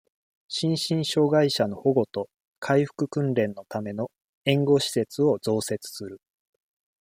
心身障害者の保護と、回復訓練のための、援護施設を増設する。